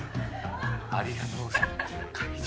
ありがとうございます。